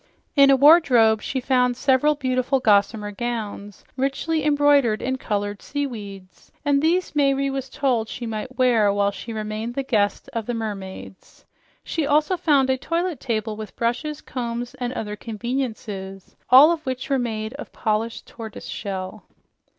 In a wardrobe she found several beautiful gossamer gowns richly embroidered in colored seaweeds, and these Mayre was told she might wear while she remained the guest of the mermaids. She also found a toilet table with brushes, combs and other conveniences, all of which were made of polished tortoise shell.